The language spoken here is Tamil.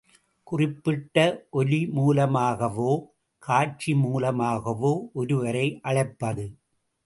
குறிப்பிட்ட ஒலிமூலமாகவோ காட்சி மூலமாகவோ ஒருவரை அழைப்பது.